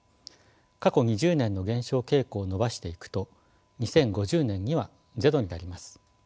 過去２０年の減少傾向を伸ばしていくと２０５０年にはゼロになります。